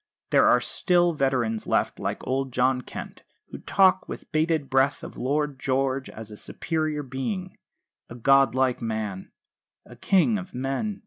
There are still veterans left, like old John Kent, who talk with bated breath of Lord George as a superior being, a god like man, a king of men."